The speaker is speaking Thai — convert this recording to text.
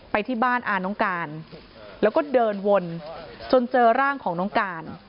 ไปที่บ้านอาน้องการแล้วก็เดินวนจนเจอร่างของน้องการ